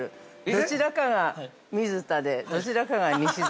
どちらかが水田でどちらかが西澤？